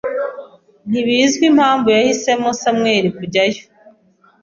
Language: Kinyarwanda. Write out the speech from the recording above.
Ntibizwi impamvu yahisemo Samuel kujyayo